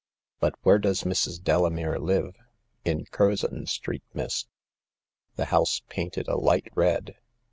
"But where does Mrs. Delamere live ?"" In Curzon Street, miss ; the house painted a light red.